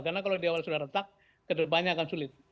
karena kalau di awal sudah retak kedepannya akan sulit